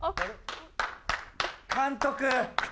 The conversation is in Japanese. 監督！